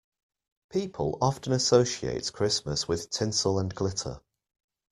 People often associate Christmas with tinsel and glitter.